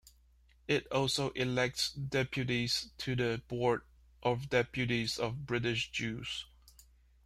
It also elects deputies to the Board of Deputies of British Jews.